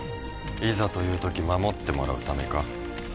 いざという時守ってもらうためか？